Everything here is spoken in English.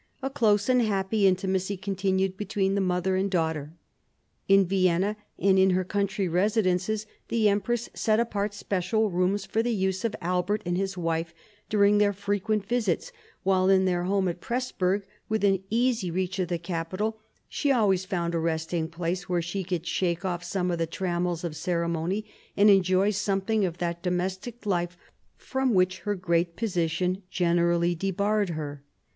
A close and happy intimacy continued between the mother and daughter. In Vienna and in her country residences the empress set apart special rooms for the use of Albert and his wife during their frequent visits, while in their home at Presburg, within easy reach of the capital, she always found a resting place, where she could shake off some of the trammels of ceremony, and enjoy something of that domestic life from which her great position generally debarred her.